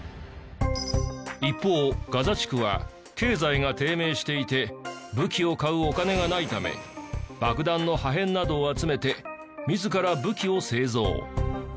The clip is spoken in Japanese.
一方ガザ地区は経済が低迷していて武器を買うお金がないため爆弾の破片などを集めて自ら武器を製造。